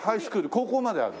高校まである？